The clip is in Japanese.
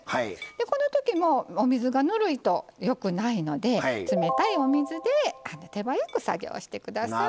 この時もお水がぬるいとよくないので冷たいお水で手早く作業して下さい。